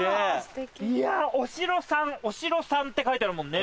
お城さんお城さんって書いてあるもんね。